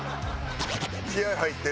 気合入ってる。